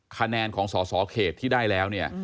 คะแนนของสอสอเขตที่ได้แล้วเนี่ย